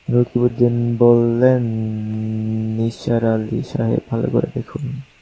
রকিবউদ্দিন বললেন, নিসার আলি সাহেব, ভালো করে দেখুন।